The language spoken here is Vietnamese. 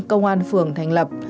công an phường thành lập